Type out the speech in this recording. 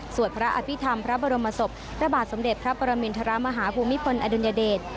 สวดพระอภิษฐรรมพระบรมศพพระบาทสมเด็จพระปรมินทรมาฮภูมิพลอดุลยเดช